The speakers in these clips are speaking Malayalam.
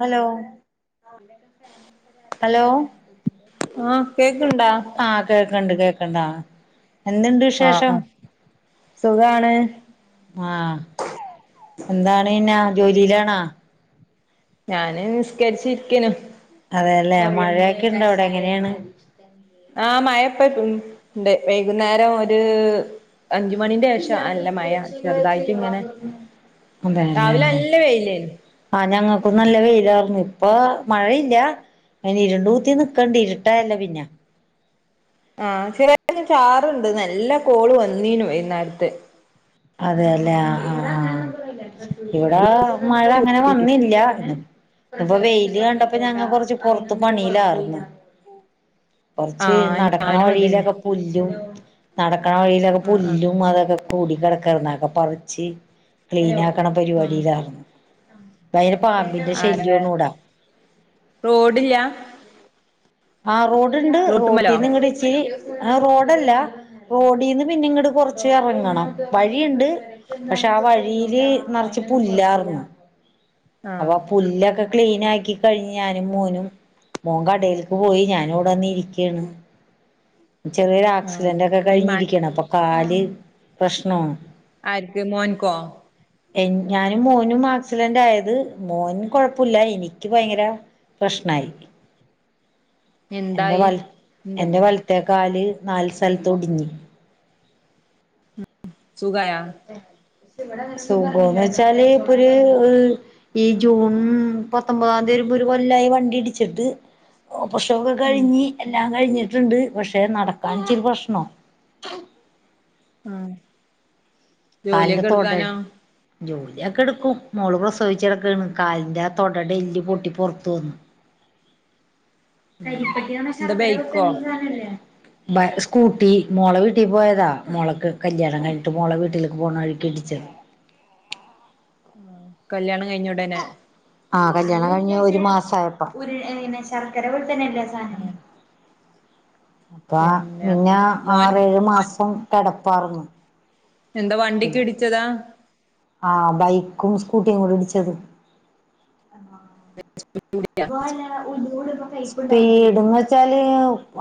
ഹലോ ഹലോ ആഹ് കേക്ക്ണ്ടാ ആഹ് കേക്കണ്ട് കേക്കണ്ട് ആഹ് ആഹ് ആഹ് സുഖാണ് ആഹ് എന്താണ് പിന്നാ ജോലീലാണാ ഞാന് നിസ്കരിച്ചിരിക്കേണ് അതെല്ലെ മഴേക്കെ ഉണ്ടോ അവിടെ എങ്ങനെയാണ് ആഹ് മയയിപ്പ ഉണ്ട് വൈകുന്നേരം ഒരു അഞ്ച് മണീന്റെ ശേഷം നല്ല മയ ചെറുതായിട്ട് ഇങ്ങനെ അതെല്ലേ രാവിലല്ല വെയിലെര്ന്ന് ആഹ് ഞങ്ങക്കും നല്ല വെയിലാർന്നു ഇപ്പ മഴയില്ല അന് ഇരുണ്ടു കുത്തി നിക്കണ്ട് ഇരുട്ടാണല്ല പിന്ന ആഹ് ചെറ്യായിട്ട് ചാറ്ണ്ട് നല്ല കോള് വന്നീനു വൈനേരത്തെ അതേല്ലേ ആഹ് ആഹ് ഇവിടെ മഴങ്ങനെ വന്നില്യ ഇപ്പൊ വെയില് കണ്ടപ്പോ ഞങ്ങ കൊറച്ച് പൊറത്ത് പണിലാർന്നു കൊർച്ച് ആഹ് നടക്കണ ഞാനും അതന്നെ വഴിലൊക്കെ പുല്ലും നടക്കണ വഴിലൊക്കെ ആഹ് ആഹ് പുല്ലും അതൊക്കെ കൂടി കെടക് കെടന്നൊക്കെ പറിച്ച് ക്ലീനാക്ക്ണ ആഹ് പരിപാടിയിലാർന്നു ഭയങ്കര ആഹ് പാമ്പിന്റെ ആരവേ ശല്യാണ് വിട റോഡില്ല ആഹ് റോഡ്ണ്ട് റോട്ടുമ്മലോ റോട്ടീന്നിങ്ങട്ടിച്ചിരി എ ഹ് റോഡല്ല റോഡീന്ന് പിന്നെ ഇങ്ങട് കൊറച്ച് എറങ്ങണം വഴിയിണ്ട് പക്ഷെ ആ വഴിയില് നർച്ച് പുല്ലാർന്നു അപ്പൊ ആഹ് പുല്ലൊക്കെ ക്ലീനാ ക്കി കഴിഞ് ഞാനും മോനും മോൻ കടേൽ പോയി ഞാനിവിടെവന്ന് ഇരിക്കേണ് ആഹ് ചെറിയൊരാക്സിഡന്റ് ഒക്കെ ഈ മ കഴിഞ്ഞിരിക്കേണ് അപ്പൊ കാല് പ്രശ്നോണ് ആർക്ക് മോൻകോ എൻ ഞാനും മോനും ആക്സിഡന്റായത്. മോൻ കൊഴപ്പുല്ല എനിക്ക് ഭയങ്കര പ്രശ്നായി എറെ എന്തായി വൽ എന്താ എന്റെ വലത്തേക്കാല് നാല് സ്ഥലത്ത് ഒടിഞ്ഞ് സുഖായ സുഖോന്ന് വെച്ചാല് ഇപ്പൊര് ഈ ഹ് ഈ ജൂൺ പത്തൊമ്പതാംതി വരുമ്പോരു കൊല്ലായി വണ്ടി ഇടിച്ചിട്ട് ഓപർക്ഷൊക്കെ കഴിഞ് എല്ലാം കഴിഞ്ഞിട്ടുണ്ട്. പക്ഷെ നടക്കാൻ ഇച്ചിരി പ്രശ്നം ഉം കാൽന്റെ തൊട ജോലിയൊക്കെ എടുക്കും, മോള് പ്രസവിച്ചെടക്കണ്, കാലിന്റെ ആ തൊടടെല്ല് പൊട്ടി പൊറത്ത് വന്നു കരിപ്പട്ടി നമ്മ എന്താ ശർക്കര ബൈക്കോ പോലെത്തന്നെ രു സാനല്ലേ ബ സ്കൂട്ടി മോളെ വീട്ടീ പോയതാ. മോളക്ക് കല്യാണം കഴിഞ്ഞിട്ട് മോളെ വീട്ടിലേക്ക് പോണ വഴിക്ക് ഇടിച്ചതാ കല്യാണം കഴിഞ്ഞഉടനെ ആഹ് കല്യാണം കഴിഞ്ഞ് ഒരു മാസായപ്പ ശർക്കര പോൽതന്നല്ലേ ആ സാനം അപ്പ പിന്നെ പിന്ന അപ്പം മോൻ ആറേഴ് മാസം കെടപ്പായിർന്നു എന്ത വണ്ടിക്ക്ടിച്ചതാ ആഹ് ബൈക്കും സ്കൂട്ടിയും കൂടി ഇടിച്ചത് [unintelligible] സ്പിട്ന്ന് വെച്ചാല്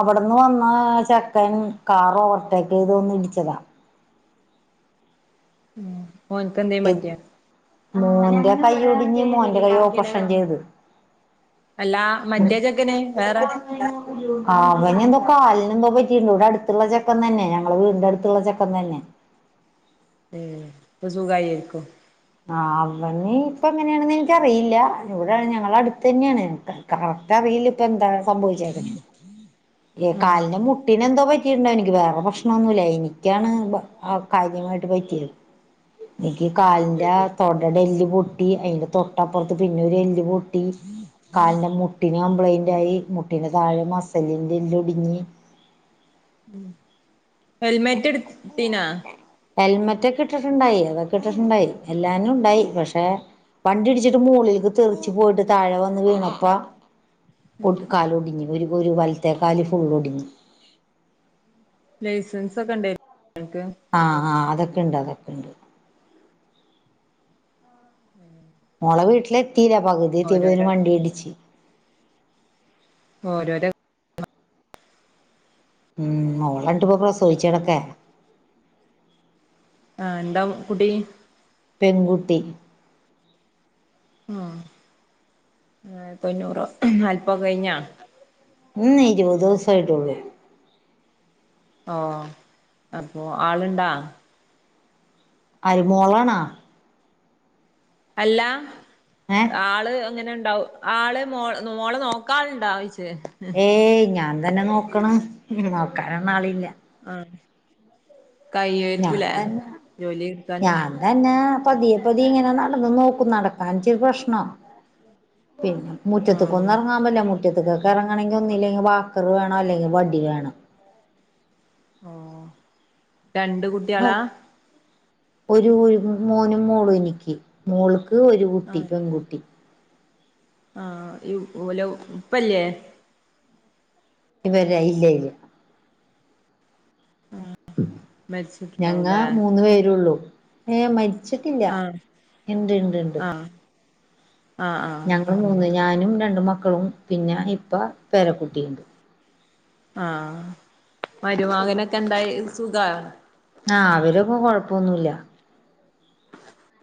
അവിടന്ന് വന്ന ചെക്കൻ കാറോവർടേക്ക് ചെയ്ത് വന്ന് ഇടിച്ചതാണ് ഓൻക്കെന്തേം പറ്റിയോ മോന്റെ കയ്യൊടിഞ്ഞ് മോന്റെ കൈ ഓപ്പറഷൻ ചെയ്ത് അല്ലാ മറ്റേ ചെക്കന് വേറെ [inaudible] അവനെന്തോ കാലിനെന്തോ പറ്റിട്ട്ണ്ട്. ഇവിടെ അടുത്തുള്ള ചെക്കൻ തന്നെ ഞങ്ങള വീടിന്റെ അടുത്തുള്ള ചെക്കൻ തന്നെ [unintelligible] ഇപ്പൊ സുഖായി ആയിരിക്കും ആഹ് അവന് ഇപ്പൊ എങ്ങനെയാണെന്ന് എനിക്കറിയില്ല ഇവിടെ ഞങ്ങള അടുത്ത് തന്നെയാണ് കറക്റ്റ് അറിയില്ല ഇപ്പ എന്താ സംഭവിച്ചേക്ക ആഹ് കാലിന് മുട്ടിനന് എന്തോ പരി കീണ്ടോ എനിക്ക് വേറെ പ്രശ്നമൊന്നുമല്ല എനിക്കാണ് കാര്യമായിട്ട് പറ്റിയത് എനിക്ക് കാലിന്റെ തൊ ഇടെ എല്ല് പൊട്ടി അയിന്റെ തൊട്ടപ്പുറത്ത് പിന്നെ ഒരു എല്ല് പൊട്ടി കാലിന്റെ മുട്ടിന് കംപ്ലൈന്റ് ആയി മുട്ടിന്റെ താഴെ മസലിൻന്റെ എല്ല് ഒടിഞ്ഞു ഉം ഹെൽമെറ്റ് എട് ഇട്ടീന ഹെൽമെറ്റൊക്കെ ഇട്ടിട്ടുണ്ടായി അതൊക്കെ ഇട്ടിട്ടുണ്ടായി എല്ലാനും ഉണ്ടായി പക്ഷെ വണ്ടി ഇടിച്ചിട്ട് മോളിലേക്ക് തെറച്ച് പോയിട്ട് താഴെ വന്ന് വീണപ്പ ഒട്കാലൊടിഞ്ഞ് ഒരു വലത്തേക്കൽ ഫുൾ ഒടിഞ്ഞ് ലൈസൻസ് ഒക്കെ ഉണ്ടായിരുന്നൊ ങ്ങക്ക് ആഹ് ആഹ് അതൊക്കെ ഉണ്ട് അതൊക്കെ ഉണ്ട് മോളെ വീട്ടില് എത്തീല പകുതി എത്തിയപ്പോതിന് ഓരോരോ വണ്ടി ഇടിച്ച് ഓരോരോ ഉം മോളാണ്ട് പോ പ്രസോദിച്ചടക്കെ ആഹ് എന്താ കുട്ടി പെൺകുട്ടി ആഹ് [unintelligible] നാല്പത്‌ കഴിഞ്ഞോ ഇന്ന് ഇരുപത് ദിവസ ആയിട്ടള്ളൂ ഓഹ് അപ്പോ ആളുണ്ടാ ആര് മോളണാ അല്ല ഏഹ് ആള് അങ്ങനെണ്ടാവ ആള് മോ മോളെ നോക്കാാനുണ്ടവിച്ച് ഏയ് ഞാൻ തന്നെ നോക്കണം നോക്കാനൊന്ന ആളില്ല ആഹ് കൈയക്കൂലേ ജോലി എടുക്കാന് അന്നെ പതിയെ പതി ഇങ്ങനെ നടന്ന് നോക്കും നടക്കാൻച്ചരി പ്രശ്നം ആ പിന്നെ ആ മുറ്റത്ത് കൊന്നിറങ്ങാൻ പല്ലേ മു [unintelligible] ക്കൊക്കെ ഇറങ്ങണമെങ്കിൽന്നില്ലെങ്കിൽ വാക്കർ വേണോ അല്ലെങ്കിൽ വടി വേണം ഓഹ് രണ്ട് കുട് ഔ ഒരു ഒരു മോനും മോളും എനിക്ക് മോൾക്ക് ഒരു കുഊട്ടി പെൺകുട്ടി ആഹ് ഈ ഓല ഉപ്പല്ലേ ഇവരെ ഇല്ലേ ഇല്ലേ ആഹ് ഞങ്ങാ മൂന്ന് പേരുള്ളൂ ഏയ് മരി ച്ചിട്ടില്ല ആ ഇണ്ട് ഇണ്ട് ഇണ്ട് ആ ആ ആ ഞങ്ങൾ മൂന്ന് ഞാനും രണ്ട മക്കളും പിന്നെ ഇപ്പ പേരക്കുട്ടിയുണ്ട് അഹ് മരുമാങ്ങനൊക്കെ എന്തായി സുഖ ആഹ് അവരക്ക കൊഴപ്പൊന്നുമല്ല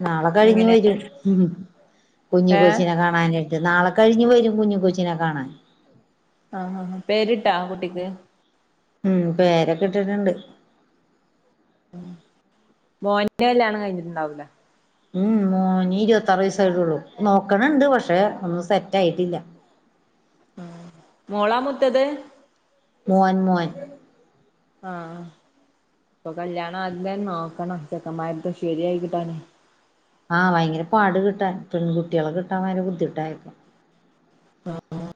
നാളെ കഴിഞ്ഞ് എങ്ങനെ വരും കുഞ്ഞി ഏ കൊച്ചിനെ കാ [unintelligible] നാളെ കഴിഞ്ഞ് വരും കുഞ്ഞ് കൊച്ചിനെ കാണാൻ ആഹ് ആഹ് ആഹ് പേരിട്ടാ കുട്ടിക്ക് ഉം, പേരൊക്കെ ഇട്ട്ട്ട്ണ്ട്. ഉം, മോന്റെ കല്ല്യാണം കഴിഞ്ഞിട്ട്ണ്ടാവൂല. ഉം മൂനി ഇരുപത്താറ് വയസ്സയിട്ടള്ളു നോക്കണിണ്ട് പക്ഷെ ഒന്നും സെറ്റ് ആയിട്ടില്ല ആഹ് മോളാ മൂത്തത് മോൻ മോൻ ആഹ ഇപ്പൊ കല്യാണം ആദ്യമെ നോക്കണം ചെക്കന്മാക്കെ ശെരിയയിക്കിട്ടാണ് ആഹ്, വയങ്കര പാട് കിട്ടാൻ പെൺകുട്ടികളെ കിട്ടാൻ വയങ്കര ബുദ്ധിട്ടായിപ്പം. ആഹ് ആഹ്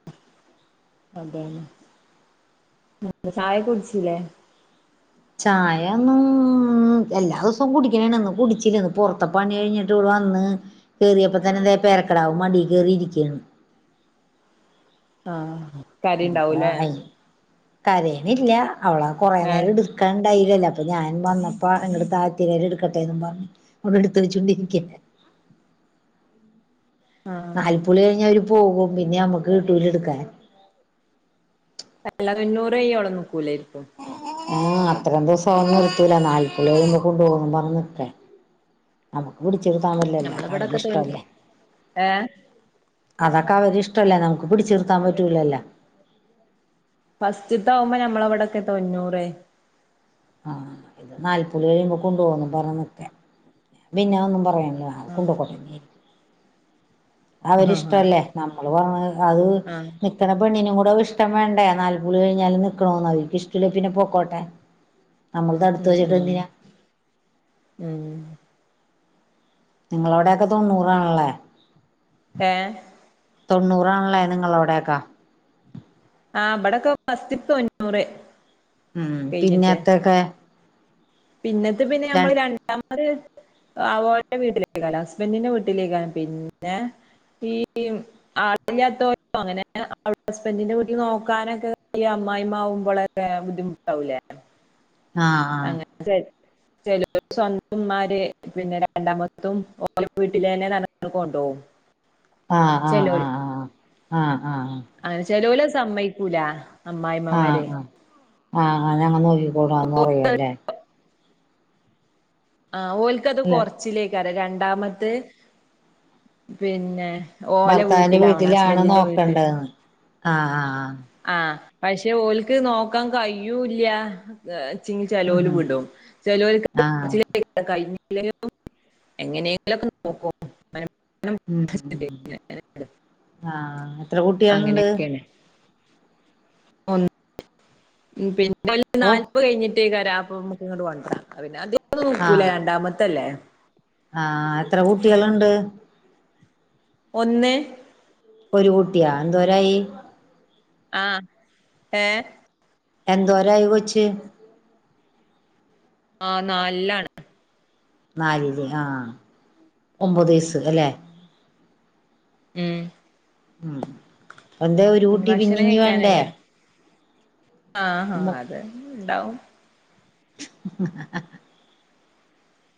അതെ ചായ കുടിച്ചില്ലേ ചായ എല്ലാ ദിവസവും കുടിക്കണ ഒന്ന് കുടിച്ചില്ലന്ന് പുൊറത്ത പണി കഴിഞ്ഞിട്ട് ഇവിടെ വന്ന് കേറിയപ്പ തന്നെ ദേ പേരക്കിടാവ് മടീ കേറിയിരിക്കയാണ് ആഹ് ഇപ്പൊ കരയുണ്ടാവൂലേ [unintelligible] കരയണില്ല അവളെ കൊറെ ഏഹ് നേരം എടുക് ക്കാൻണ്ടായില്ലല്ലോ അപ്പൊ ഞാൻ വന്നപ്പ എങ്ങട് താഴ്ത്തി ഞാൻ എടുക്കട്ടെന്നും പറഞ്ഞു ഇവിടെ എടുത്ത് വച്ചുകൊണ്ടിരിക്കയ ആഹ് നാല്പ്പുളി കഴിഞ്ഞാ അവര് പോകും പിന്നെ നമ്മുക്ക് കിട്ടൂല എടുക്കാൻ അല്ലാതെൊു [unintelligible] ന്നൂറ് അവിടെ നിക്കൂലയ്രിക്കും ആഹ അത്രയും ദിവസം ഒന്നും കിട്ടില്ല നാൽപ്പത് കഴിഞ്ഞി പോവാൻ പറഞ്ഞത്ര നമുക്ക് പിടിച്ചതാങ്ങൂലല്ലെ നമ്മളെ ഇവിടൊക്കെ തൊ അവരെഇഷ്ടവുല്ലെ ഏഹ് അതൊക്കെ അവരി ഇഷ്ടല്ലേ നമുക്ക് പിടിച്ചുിർത്താൻ പറ്റൂലല്ല ഫസ്റ്റ്ത്താവുമ്പോ ഞമ്മളവിടൊക്കെ തൊണ്ണൂറേ ആഹ് ഇത് നാൽപ്പുളി കഴിയുമ്പോ കൊണ്ടു പോകന്നും പറഞ്ഞാ നിക്ക പിന്നെ ഒന്നും പറയുന്നില്ല ആഹ് കൊണ്ടൊക്കോ ആഹ് ആവരിഷ്ടല്ലേ നമ്മള് പറ അത് ആഹ് നിക്കണ പെണ്ണിനും കൂടെ ഇഷ്ട്ടം വേണ്ടേ നാല്പ്പൂള് കഴിഞ്ഞാലും നിക്കണോന്ന് അവര്ക്ക് ഇഷ്ടില്ലേ പിന്നെ പോക്കോട്ടെ. നമ്മള് തടുത്ത് ഉം ഉം വെച്ചിട്ടെന്തിനാ ഉം നിങ്ങളവിടെയെക്കെ തൊണ്ണൂറാണല്ലേ ഏഹ് തൊണ്ണൂറാണ്ല്ലേ നിങ്ങലോടെക്കെ ആ ഇബടൊക്ക ഫസ്റ്റ്ക്ക് തൊണ്ണൂറ്. ഉം, കഴിഞ്ഞിട്ട് പിന്നേത്തൊക്കെ പിന്നത്തെ പിന്നെ നമ്മള് രണ്ടാമത് ആഹ് ഓന്റെ വീട്ടിലേക്കക്കാരം ഹസ്ബൻഡിന്റെ വീട്ടിലേക്കാരം പിന്നെ ഈ ആളില്ലാത്തോ [inaudible] അങ്ങനെ തന്നെ അവിടെ ഹസ്ബൻഡിന്റെ വീട്ടില് നോക്കാനൊക്കെ അമ്മായിമ്മാവുംമ്പോളെ തരാൻ ബുദ്ധിമുട്ടാവുല്ലെ ആഹ് ആഹ് രി ശരി [unintelligible] സ്വന്ത ഇമ്മാര് പിന്നെ രണ്ടാമത്തും ഓലെ വീട്ടിലേന്നർഞ്ഞിട്ട് കൊണ്ടോവും ആഹ് ആഹ് ചെലോല് ആഹ് ആഹ് ആഹ് ആഹ് ആഹ് അങ്ങനെ ചെലോല് സമ്മയിക്കൂല ആഹ് ആഹ് ആഹ് ആഹ് ഞങ്ങൾ നോക്കിക്കോളാന്ന് പറയും ല്ലേ ആഹ് ഓൽക്കത് അല്ലെ കൊറച്ചിലേക്കാരം രണ്ടാമത്തെ പിന്നെ ഓലെ ഭർത്താവിന്റെ വീട്ടിലാവണം വീട്ടിലാണ് ഹസ്ബൻ്റിന്റെ വീട്ടിൽ നോക്കണ്ടന്ന് ആഹ് ആഹ് പക്ഷെ ഓലക്ക് നോക്കാൻ കയൂല്ല്യാ ച്ചിങ്ങ ആഹ് ഉം ചലോല് ഉം വിടും ചെലോൽ ആഹ് [unintelligible] എങ്ങനെങ്കിലും ഒക്കെ നോക്കോ ഉം ആഹ് എത്ര കുട്ടികളുണ്ട് അങ്ങനെയൊക്കെണ് പിൻ ഇനീ ഓ നാല്പ്പ കഴിഞ്ഞിട്ട് എക്കാരം ഇങ്ങോട്ട് വണ്ട പിന്നെ അധിക തൂക്കൂല ആഹ് രണ്ടാമത്തല്ലേ ആഹ് എത്ര കുട്ട്യള്ണ്ട് ഒന്ന് ഒരു കുട്ടിയാ എന്തോരായി ആഹ് ഏഹ് എന്തോരായി കൊച്ച് ആഹ് നാൽലാണ് നാൽല്ല് ആഹ് ഒമ്പത് വയസ് അല്ലെ. ഉം ഉം എന്താ ഒരു പിന്നെ കുട്ടി ഭക്ഷണം പിന്നിഞ്ഞ് വേണ്ടേ കഴിക്കാനായോ ആഹ് ഹ അതെ ഞ്ഞ്ണ്ടാവും [inaudible]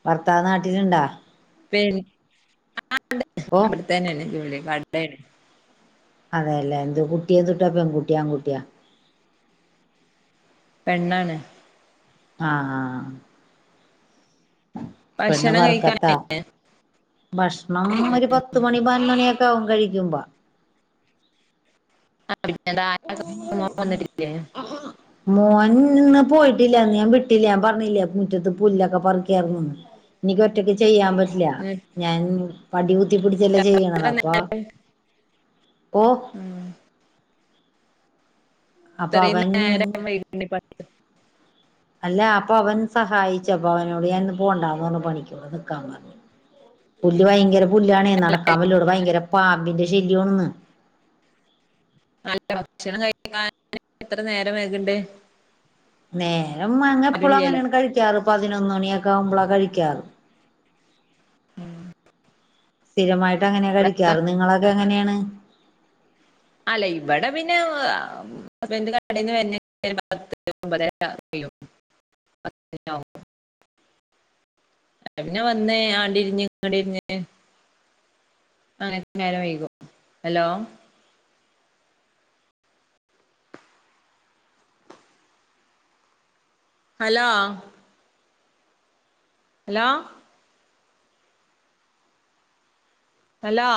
ഭർത്താവ് നാട്ടില്ണ്ടോ പിൻ ആഹ് ഓ ഇവിടത്തന്നാണ് ജോലിയ കടേണ് അതെല്ലെ എന്ത് കുട്ടിയ [unintelligible] പെൺകുട്ട്യാ ആൺകുട്ട്യാ പെണ്ണാണ്. ആഹ് ആഹ് ആഹ് പെണ്ണ് ഭക്ഷണം കഴിക്കാൻ ബർക്കത്താ ഭഷ്ണം ഒരു പത്തുമണി പൻമണിയൊക്കെ ആകും കഴിക്കുമ്പോ വന്നിട്ടില്ലേ ആഹാ മോൻ ഇന്ന് പോയിട്ടില്ലന്ന് ഞാൻ വിട്ടില്ല പറഞ്ഞില്ലേ മുറ്റത്ത് പുല്ലൊക്കെ പറിക്കിയരുന്നുന്ന് എനിക്ക് ഒറ്റക്ക് ചെയ്യാൻ പറ്റില്ല ഞാൻ പടി കുത്തിപ്പിടിച്ചല്ലേ ചെയ്യുന്നത് അപ്പൊ ഓഹ് അപ്പൊ ഇത്രയും അവൻ നേരം വൈകണ്ട് അല്ല അപ്പൊ അവൻ സഹായിച്ചപ്പൊ അവനോട് ഞാന്ന് പോണ്ടന്ന് പറന്ന് പണിക്കോവാണ്ട് നിക്കാൻ പറഞ്ഞു പുല്ല് ഭയങ്കര പുല്ലാണേ നടക്കാൻ പറ്റുന്നില്ലേ ഭയങ്കര പാമ്പിന്റെ ശല്യമാണ് അല്ല ഭക്ഷണം കഴിക്കാൻ എത്ര നേരം വേയ്കണ്ട് നേരം അ എപ്പഴും ആരുല്ലല്ലോ അങ്ങനെയാണ് കഴിക്കാറ് പതിനൊന്ന് മണിയൊക്കെ ആവുമ്പോളാ കഴിക്കാറ് [inaudible] സ്ഥിരമായിട്ട്ങ്ങനെയ ഇവിടെ കഴിക്കാറ് നിങ്ങളൊക്കെ എങ്ങനെയാണ് അല്ലേ ഇവിടെ പിന്നെ ഹസ്ബണ്ട് കടിന്ന് വരുമ്പോ പത്ത് ഒപതരകെ കയ്യും [unintelligible] പിന്നെ വന്നേ ആണ്ട് ഇരിഞ്ഞ് ഇങ്ങട്ട് ഇരിഞ്ഞ് അങ്ങനെ നേരം വൈകും ഹലോ ഹലോ ഹലോ ഹലോ